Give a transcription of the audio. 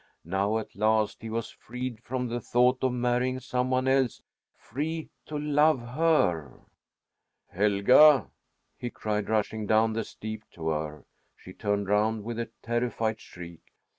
Now, at last, he was freed from the thought of marrying some one else free to love her. "Helga!" he cried, rushing down the steep to her. She turned round with a terrified shriek.